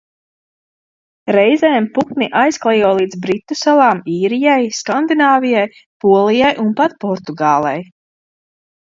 Reizēm putni aizklejo līdz Britu salām, Īrijai, Skandināvijai, Polijai un pat Portugālei.